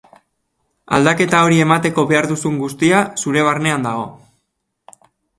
Aldaketa hori emateko behar duzun guztia, zure barnean dago.